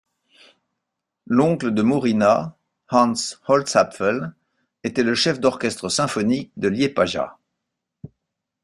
L'oncle de Mauriņa, Hans Holzapfel, était le chef d'orchestre symphonique de Liepāja.